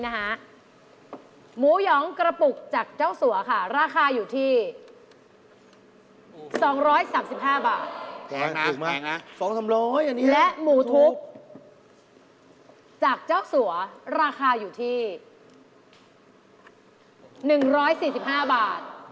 และหมูทุกข์จากเจ้าสัวราคาอยู่ที่๑๔๕บาท